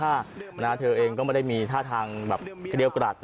เอาแบบภานะเธอเองก็ไม่ได้มีท่าทางแบบเคลียวกรัฐ